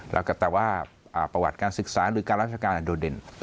แล้วก็แต่ว่าประวัติการศึกษาหรือการราชการโดดเด่น